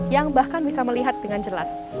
yang bahkan bisa melihat dengan jelas